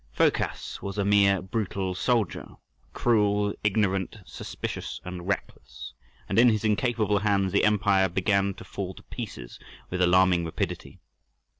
Phocas was a mere brutal soldier—cruel, ignorant, suspicious, and reckless, and in his incapable hands the empire began to fall to pieces with alarming rapidity.